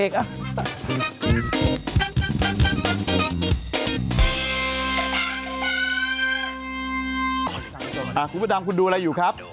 คุณพระดำคุณดูอะไรอยู่ครับ